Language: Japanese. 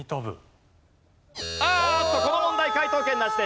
あーっとこの問題解答権なしです。